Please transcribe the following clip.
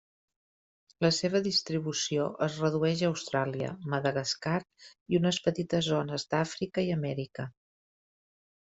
La seva distribució es redueix a Austràlia, Madagascar, i unes petites zones d'Àfrica i Amèrica.